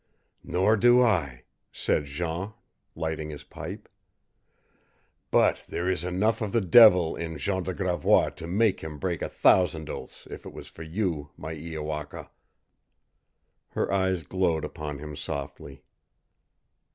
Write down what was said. "Nor do I," said Jean, lighting his pipe. "But there is enough of the devil in Jean de Gravois to make him break a thousand oaths if it was for you, my Iowaka!" Her eyes glowed upon him softly.